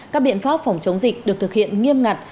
các biện pháp phòng chống dịch được thực hiện nghiêm ngặt